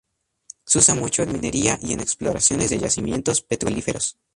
Se usa mucho en minería y en exploraciones de yacimientos petrolíferos.